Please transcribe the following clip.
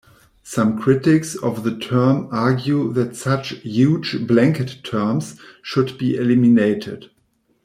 Some critics of the term argue that such "huge blanket terms" should be eliminated.